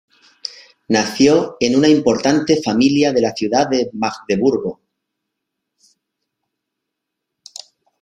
Nació en una importante familia de la ciudad de Magdeburgo.